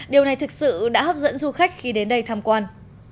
điều này thực sự đã hấp dẫn du khách khi đến đây tham quan